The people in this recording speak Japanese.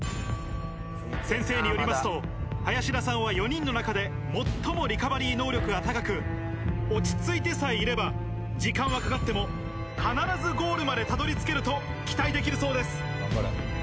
先生によりますと林田さんは４人の中で最もリカバリー能力が高く落ち着いてさえいれば時間はかかっても必ずゴールまでたどり着けると期待できるそうです。